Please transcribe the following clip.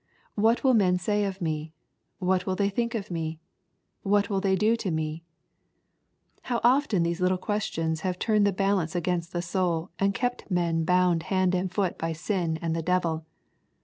—" What will men say of me ? What will they think of me ? What will they do to me ?"— How often these little questions have turned the balance against the soul, and kept men bound hand and foot by sin and the devil